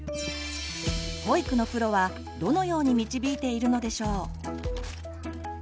保育のプロはどのように導いているのでしょう？